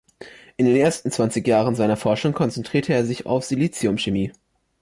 In den ersten zwanzig Jahren seiner Forschung konzentrierte er sich auf Siliziumchemie.